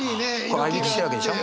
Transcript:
あいびきしてるわけでしょ？